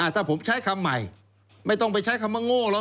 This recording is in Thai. ถ้าผมใช้คำใหม่ไม่ต้องไปใช้คำว่าโง่แล้ว